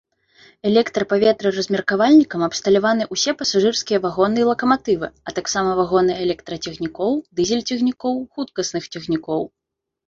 Электрапаветраразмеркавальнікам абсталяваны усе пасажырскія вагоны і лакаматывы, а таксама вагоны электрацягнікоў, дызель-цягнікоў, хуткасных цягнікоў.